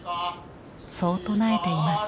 そう唱えています。